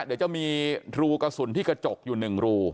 เดี๋ยวจะมีรูกระสุนที่กระจกอยู่๑รู